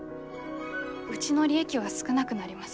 うちの利益は少なくなります。